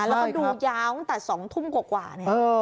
แล้วก็ดูยาวตั้งแต่สองทุ่มกว่ากว่าเออ